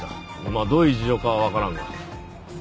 まあどういう事情かはわからんが。